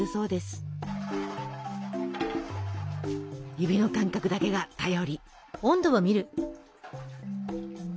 指の感覚だけが頼り。